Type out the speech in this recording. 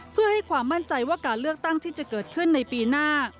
เพื่อให้ความมั่นใจว่าการเลือกตั้งที่จะเกิดขึ้นในปีหน้า